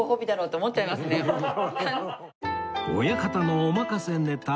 親方のお任せネタ